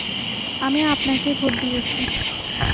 আমি আপনাকেই ভোট দিয়েছি।